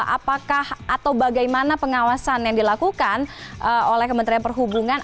apakah atau bagaimana pengawasan yang dilakukan oleh kementerian perhubungan